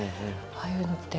ああいうのって